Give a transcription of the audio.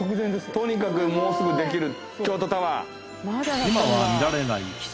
とにかくもうすぐできる京都タワー。